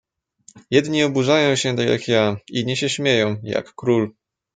"Jedni oburzają się tak jak ja, inni się śmieją, jak król."